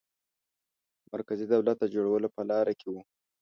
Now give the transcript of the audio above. مرکزي دولت د جوړولو په لاره کې وو.